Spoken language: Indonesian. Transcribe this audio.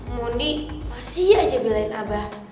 mondi masih aja belain abah